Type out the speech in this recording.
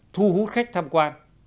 thu hút khách tham quan